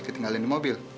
ketinggalin di mobil